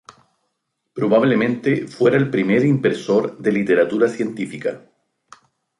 Probablemente fuera el primer impresor de literatura científica.